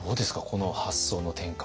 この発想の転換。